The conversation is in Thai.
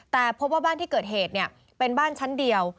แต่พบว่าบ้านที่เกิดเหตุเป็นบ้านชั้นเดียว